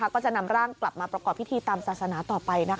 ก็จะนำร่างกลับมาประกอบพิธีตามศาสนาต่อไป